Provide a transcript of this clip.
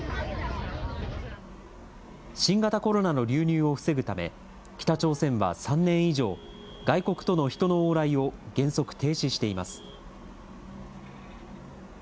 新型コロナの流入を防ぐため、北朝鮮は３年以上、外国との人の往来を原則停止しています。